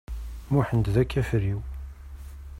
Muḥend d akafriw.